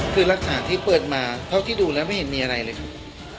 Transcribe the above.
คือลักษณะที่เปิดมาเท่าที่ดูแล้วไม่เห็นมีอะไรเลยครับ